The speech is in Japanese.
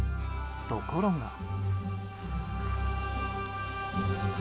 ところが。